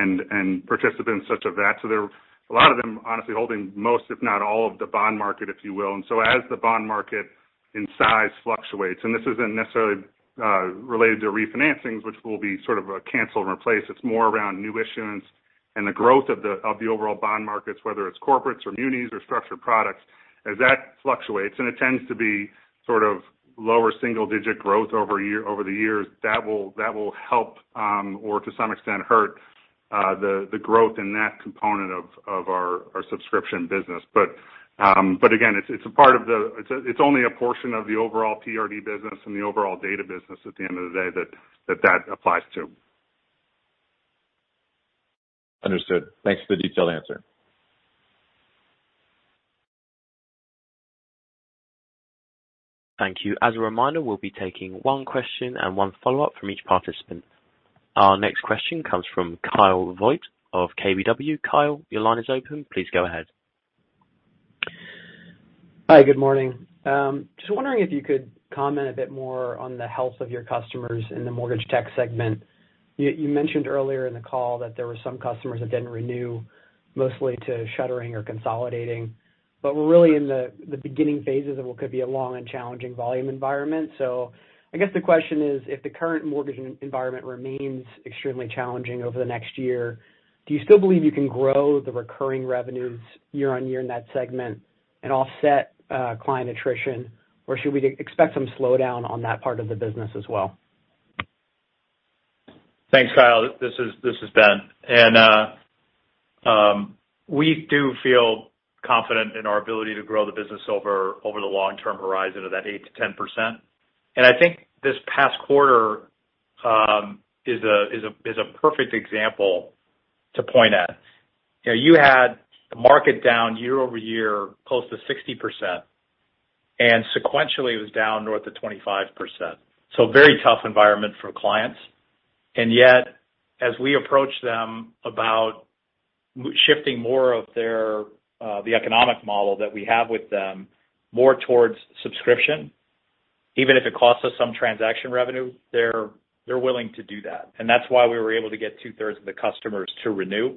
and participants such as that. There. A lot of them honestly holding most, if not all, of the bond market, if you will. As the bond market in size fluctuates, and this isn't necessarily related to refinancings, which will be sort of canceled and replaced. It's more around new issuance and the growth of the overall bond markets, whether it's corporates or munis or structured products. As that fluctuates, and it tends to be sort of low single-digit growth over the years, that will help, or to some extent hurt, the growth in that component of our subscription business. Again, it's only a portion of the overall PRD business and the overall data business at the end of the day that applies to. Understood. Thanks for the detailed answer. Thank you. As a reminder, we'll be taking one question and one follow-up from each participant. Our next question comes from Kyle Voigt of KBW. Kyle, your line is open. Please go ahead. Hi, good morning. Just wondering if you could comment a bit more on the health of your customers in the mortgage tech segment. You mentioned earlier in the call that there were some customers that didn't renew, mostly to shuttering or consolidating, but we're really in the beginning phases of what could be a long and challenging volume environment. I guess the question is, if the current mortgage environment remains extremely challenging over the next year, do you still believe you can grow the recurring revenues year on year in that segment and offset client attrition, or should we expect some slowdown on that part of the business as well? Thanks, Kyle. This is Ben. We do feel confident in our ability to grow the business over the long-term horizon of that 8%-10%. I think this past quarter is a perfect example to point at. You know, you had the market down year-over-year close to 60%, and sequentially it was down north of 25%. Very tough environment for clients. Yet, as we approach them about shifting more of their the economic model that we have with them more towards subscription Even if it costs us some transaction revenue, they're willing to do that. That's why we were able to get two-thirds of the customers to renew.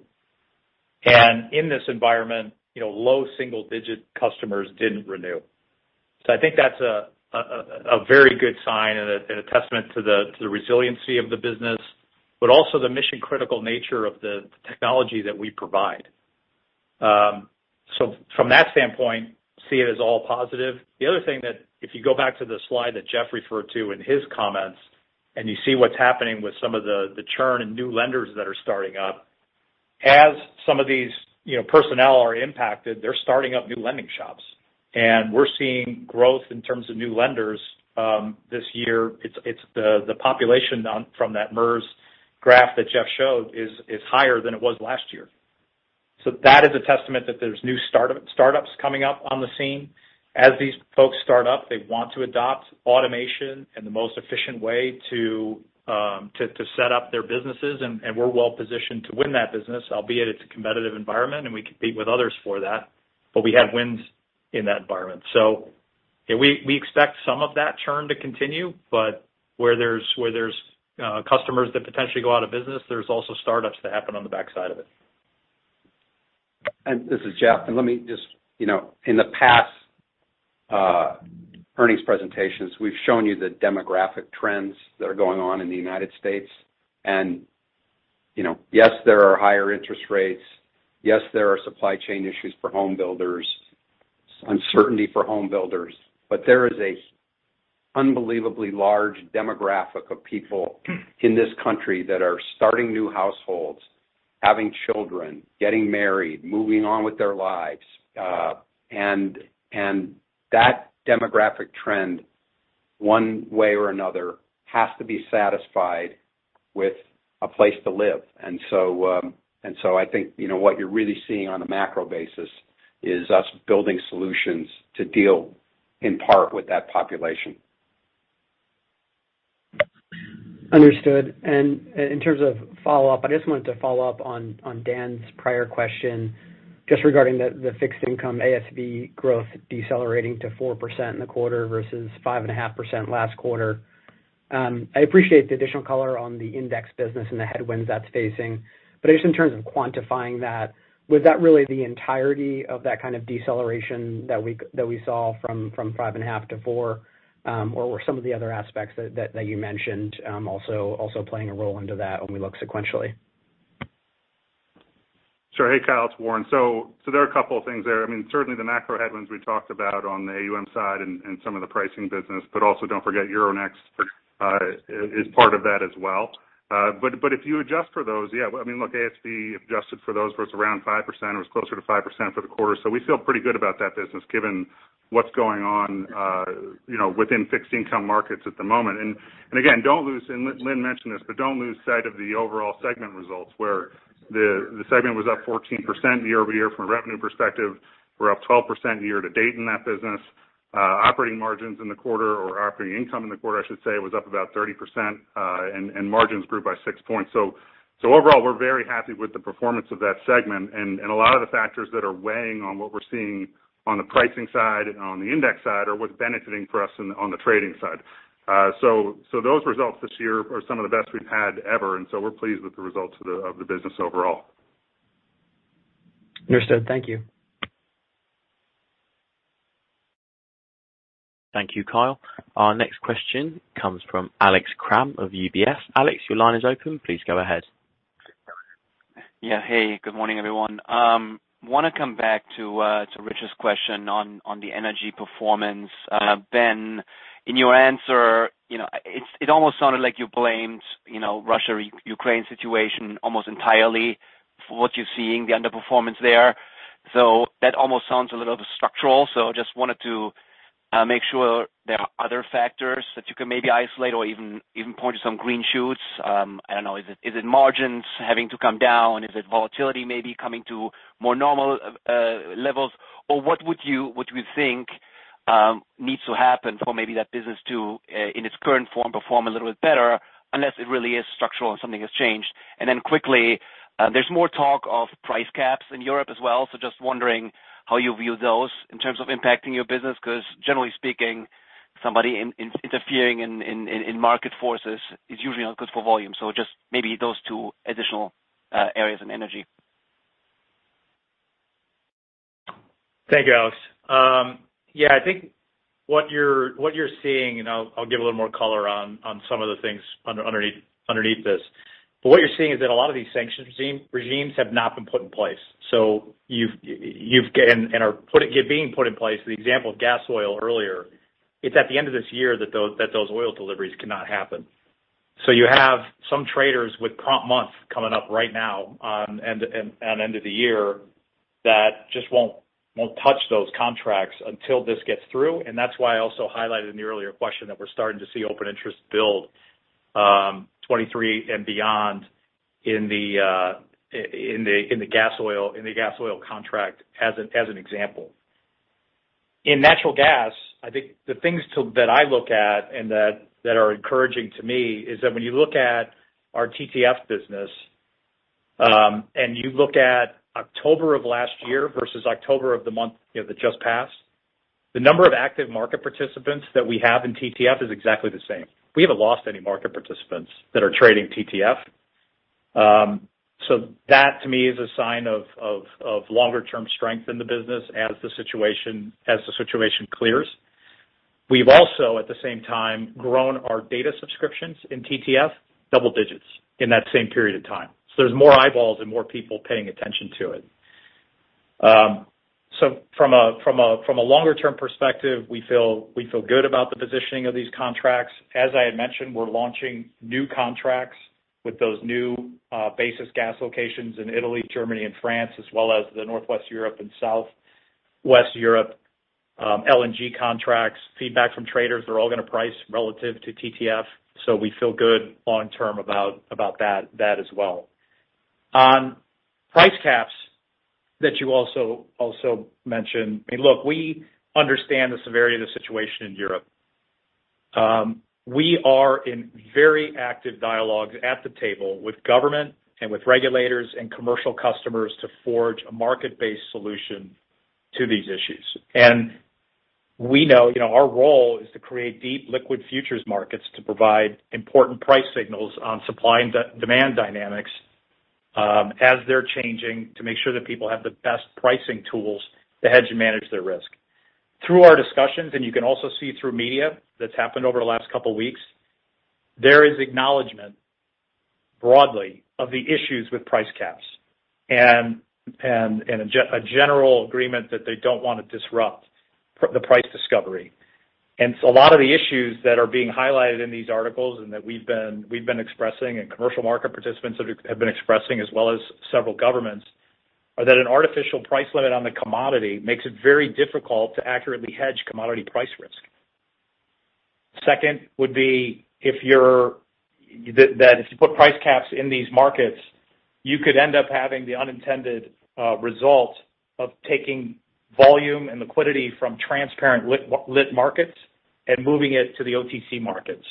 In this environment, you know, low single-digit customers didn't renew. I think that's a very good sign and a testament to the resiliency of the business, but also the mission-critical nature of the technology that we provide. From that standpoint, see it as all positive. The other thing that if you go back to the slide that Jeff referred to in his comments, and you see what's happening with some of the churn and new lenders that are starting up, as some of these, you know, personnel are impacted, they're starting up new lending shops. We're seeing growth in terms of new lenders this year. It's the population from that MERS graph that Jeff showed is higher than it was last year. That is a testament that there's new start-ups coming up on the scene. As these folks start up, they want to adopt automation and the most efficient way to set up their businesses, and we're well-positioned to win that business, albeit it's a competitive environment, and we compete with others for that. We had wins in that environment. We expect some of that churn to continue, but where there's customers that potentially go out of business, there's also start-ups that happen on the backside of it. This is Jeff. Let me just, you know, in the past, earnings presentations, we've shown you the demographic trends that are going on in the United States. You know, yes, there are higher interest rates. Yes, there are supply chain issues for home builders, uncertainty for home builders. There is a unbelievably large demographic of people in this country that are starting new households, having children, getting married, moving on with their lives. That demographic trend, one way or another, has to be satisfied with a place to live. I think, you know, what you're really seeing on a macro basis is us building solutions to deal in part with that population. Understood. In terms of follow-up, I just wanted to follow up on Dan's prior question just regarding the fixed income ASV growth decelerating to 4% in the quarter versus 5.5% last quarter. I appreciate the additional color on the index business and the headwinds that's facing. But just in terms of quantifying that, was that really the entirety of that kind of deceleration that we saw from 5.5%-4%, or were some of the other aspects that you mentioned also playing a role into that when we look sequentially? Sure. Hey, Kyle, it's Warren. There are a couple of things there. I mean, certainly the macro headwinds we talked about on the AUM side and some of the pricing business, but also don't forget Euronext is part of that as well. But if you adjust for those, yeah, I mean, look, ASV adjusted for those was around 5%. It was closer to 5% for the quarter. We feel pretty good about that business given what's going on, you know, within fixed income markets at the moment. Again, don't lose, and Lynn mentioned this, but don't lose sight of the overall segment results where the segment was up 14% year-over-year from a revenue perspective. We're up 12% year to date in that business. Operating margins in the quarter or operating income in the quarter, I should say, was up about 30%, and margins grew by six points. Overall, we're very happy with the performance of that segment. A lot of the factors that are weighing on what we're seeing on the pricing side and on the index side are what's benefiting for us on the trading side. Those results this year are some of the best we've had ever. We're pleased with the results of the business overall. Understood. Thank you. Thank you, Kyle. Our next question comes from Alex Kramm of UBS. Alex, your line is open. Please go ahead. Yeah. Hey, good morning, everyone. Wanna come back to Rich's question on the energy performance. Ben, in your answer, you know, it almost sounded like you blamed, you know, Russia-Ukraine situation almost entirely for what you're seeing, the underperformance there. That almost sounds a little bit structural. Just wanted to make sure there are other factors that you can maybe isolate or even point to some green shoots. I don't know, is it margins having to come down? Is it volatility maybe coming to more normal levels? Or what would you think needs to happen for maybe that business to in its current form perform a little bit better unless it really is structural and something has changed? And then quickly, there's more talk of price caps in Europe as well. Just wondering how you view those in terms of impacting your business 'cause generally speaking, somebody interfering in market forces is usually not good for volume. Just maybe those two additional areas in energy. Thank you, Alex. Yeah, I think what you're seeing, and I'll give a little more color on some of the things underneath this. What you're seeing is that a lot of these sanctions regimes have not been put in place and are being put in place, the example of gas oil earlier. It's at the end of this year that those oil deliveries cannot happen. You have some traders with comp month coming up right now on end of the year that just won't touch those contracts until this gets through. That's why I also highlighted in the earlier question that we're starting to see open interest build, 2023 and beyond in the gas oil contract as an example. In natural gas, I think the things that I look at and that are encouraging to me is that when you look at our TTF business, and you look at October of last year versus October of this month, you know, that just passed, the number of active market participants that we have in TTF is exactly the same. We haven't lost any market participants that are trading TTF. So that to me is a sign of longer-term strength in the business as the situation clears. We've also, at the same time, grown our data subscriptions in TTF double digits in that same period of time. There's more eyeballs and more people paying attention to it. From a longer-term perspective, we feel good about the positioning of these contracts. As I had mentioned, we're launching new contracts with those new basis gas locations in Italy, Germany, and France, as well as the Northwest Europe and Southwest Europe LNG contracts. Feedback from traders, they're all gonna price relative to TTF, so we feel good long term about that as well. On price caps that you also mentioned, I mean, look, we understand the severity of the situation in Europe. We are in very active dialogue at the table with government and with regulators and commercial customers to forge a market-based solution to these issues. We know, you know, our role is to create deep liquid futures markets to provide important price signals on supply and demand dynamics, as they're changing, to make sure that people have the best pricing tools to hedge and manage their risk. Through our discussions, you can also see through media that's happened over the last couple weeks, there is acknowledgement broadly of the issues with price caps and a general agreement that they don't wanna disrupt the price discovery. A lot of the issues that are being highlighted in these articles and that we've been expressing and commercial market participants have been expressing as well as several governments are that an artificial price limit on the commodity makes it very difficult to accurately hedge commodity price risk. Second would be that if you put price caps in these markets, you could end up having the unintended result of taking volume and liquidity from transparent lit markets and moving it to the OTC markets,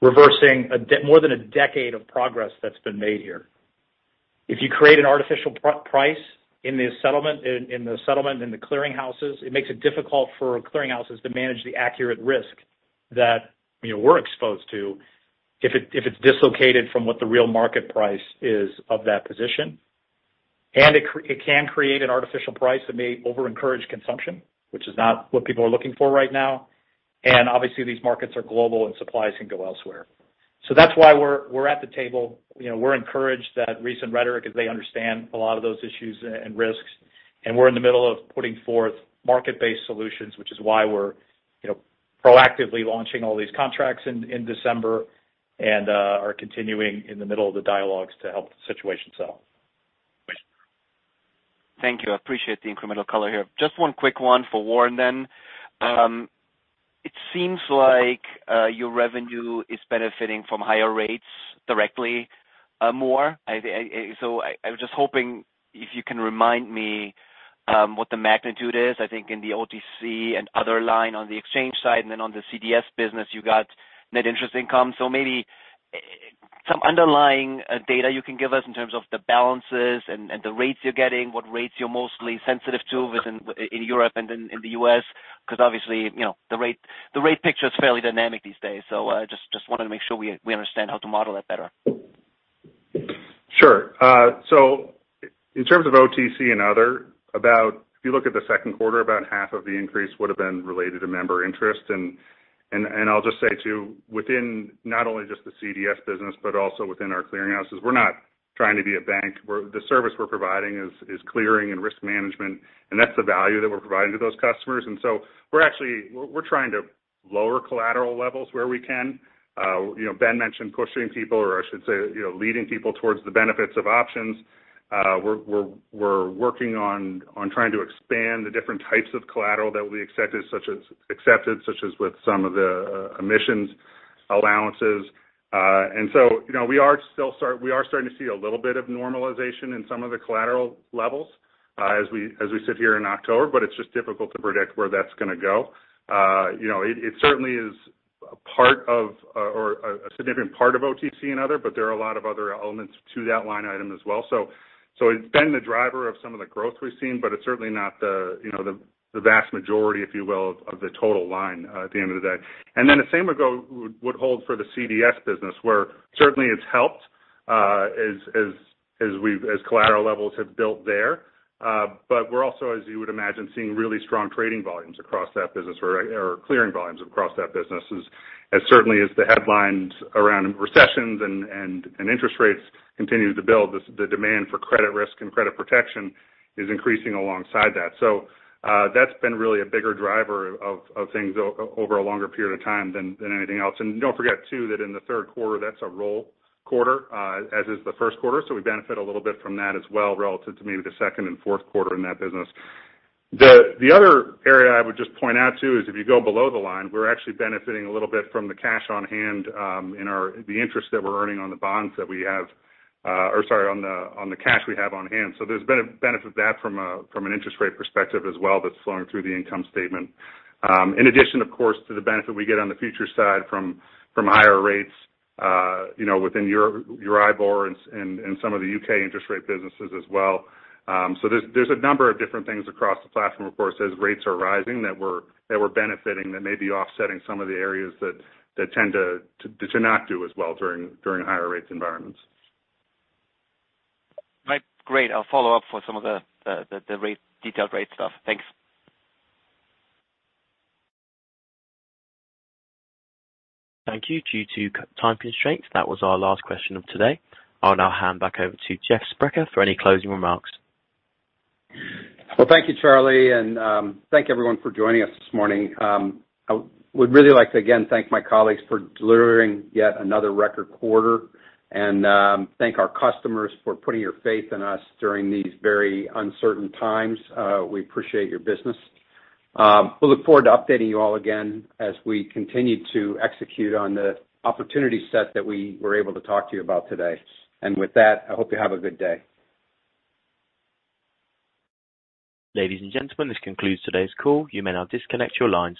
reversing more than a decade of progress that's been made here. If you create an artificial price in the settlement in the clearinghouses, it makes it difficult for clearinghouses to manage the accurate risk that you know we're exposed to if it's dislocated from what the real market price is of that position. It can create an artificial price that may over-encourage consumption, which is not what people are looking for right now. Obviously these markets are global and supplies can go elsewhere. That's why we're at the table. You know, we're encouraged that recent rhetoric is they understand a lot of those issues and risks, and we're in the middle of putting forth market-based solutions, which is why we're you know proactively launching all these contracts in December and are continuing in the middle of the dialogues to help the situation settle. Thank you. I appreciate the incremental color here. Just one quick one for Warren then. It seems like your revenue is benefiting from higher rates directly more. So I was just hoping if you can remind me what the magnitude is, I think in the OTC and other line on the exchange side, and then on the CDS business, you got net interest income. So maybe some underlying data you can give us in terms of the balances and the rates you're getting, what rates you're mostly sensitive to in Europe and in the US, 'cause obviously, you know, the rate picture is fairly dynamic these days. So just wanted to make sure we understand how to model that better. Sure. So in terms of OTC and other, if you look at the second quarter, about half of the increase would've been related to member interest. I'll just say, too, within not only just the CDS business, but also within our clearinghouses, we're not trying to be a bank. The service we're providing is clearing and risk management, and that's the value that we're providing to those customers. We're actually trying to lower collateral levels where we can. You know, Ben mentioned pushing people, or I should say, you know, leading people towards the benefits of options. We're working on trying to expand the different types of collateral that we accepted, such as accepted, such as with some of the emissions allowances. We are starting to see a little bit of normalization in some of the collateral levels, as we sit here in October, but it's just difficult to predict where that's gonna go. You know, it certainly is a part of or a significant part of OTC and other, but there are a lot of other elements to that line item as well. So it's been the driver of some of the growth we've seen, but it's certainly not the vast majority, if you will, of the total line at the end of the day. The same would hold for the CDS business, where certainly it's helped, as collateral levels have built there. We're also, as you would imagine, seeing really strong trading volumes across that business or clearing volumes across that business as certainly as the headlines around recessions and interest rates continue to build, the demand for credit risk and credit protection is increasing alongside that. That's been really a bigger driver of things over a longer period of time than anything else. Don't forget too, that in the third quarter, that's a roll quarter, as is the first quarter. We benefit a little bit from that as well relative to maybe the second and fourth quarter in that business. The other area I would just point out, too, is if you go below the line, we're actually benefiting a little bit from the cash on hand, the interest that we're earning on the bonds that we have, or sorry, on the cash we have on hand. There's benefit from an interest rate perspective as well that's flowing through the income statement. In addition, of course, to the benefit we get on the futures side from higher rates, you know, within Euribor and some of the UK interest rate businesses as well. There's a number of different things across the platform, of course, as rates are rising that we're benefiting that may be offsetting some of the areas that tend to not do as well during higher rates environments. Right. Great. I'll follow up for some of the detailed rate stuff. Thanks. Thank you. Due to time constraints, that was our last question of today. I'll now hand back over to Jeff Sprecher for any closing remarks. Well, thank you, Charlie, and thank everyone for joining us this morning. I would really like to again thank my colleagues for delivering yet another record quarter and thank our customers for putting your faith in us during these very uncertain times. We appreciate your business. We look forward to updating you all again as we continue to execute on the opportunity set that we were able to talk to you about today. With that, I hope you have a good day. Ladies and gentlemen, this concludes today's call. You may now disconnect your lines.